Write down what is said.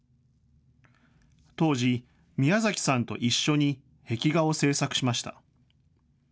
当時、ミヤザキさんと一緒に壁画を制作しました。